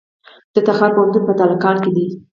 د تخار پوهنتون په تالقان کې دی